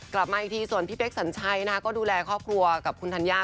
กลับมาอีกทีส่วนพี่เป๊กสัญชัยนะคะก็ดูแลครอบครัวกับคุณธัญญา